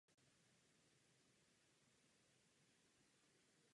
Později se připojil k rakouským diplomatickým službám.